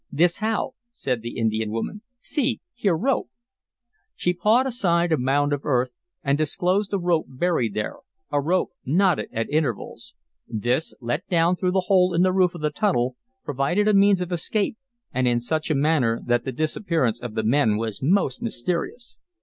"This how," said the Indian woman. "See, here rope!" She pawed aside a mound of earth, and disclosed a rope buried there, a rope knotted at intervals. This, let down through the hole in the roof of the tunnel, provided a means of escape, and in such a manner that the disappearance of the men was most mysterious.